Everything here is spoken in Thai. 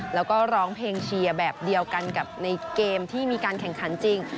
แล้วก็ร้องเพลงเชียร์แบบเดียวกันกับในเกมที่มีการแข่งขันจริง